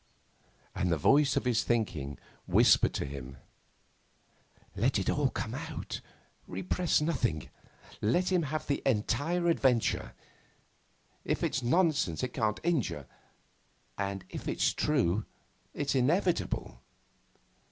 And the voice of his thinking whispered to him, 'Let it all come out. Repress nothing. Let him have the entire adventure. If it's nonsense it can't injure, and if it's true it's inevitable.